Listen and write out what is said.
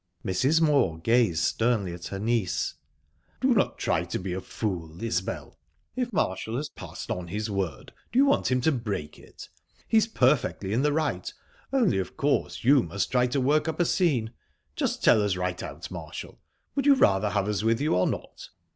Mrs. Moor gazed sternly at her niece. "Do try not to be a fool, Isbel. If Marshall has passed on his word, do you want him to break it? He's perfectly in the right, only, of course, you must try to work up a scene. Just tell us right out, Marshall would you rather have us with you, or not?"